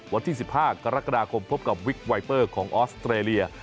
วันที่๑๕กรกฎาคมพบกับวิกไวเปอร์ของออสเตรเลีย